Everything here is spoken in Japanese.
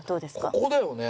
ここだよね？